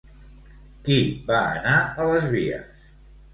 Qui va anar a les vies?